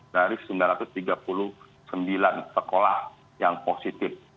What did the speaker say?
dari sembilan ratus tiga puluh sembilan sekolah yang positif